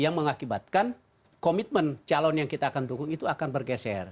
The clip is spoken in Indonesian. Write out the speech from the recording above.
yang mengakibatkan komitmen calon yang kita akan dukung itu akan bergeser